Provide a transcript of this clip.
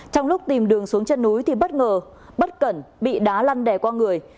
trong lúc tìm đường xuống chân núi thì bất ngờ bất cẩn bị đá lăn đè qua người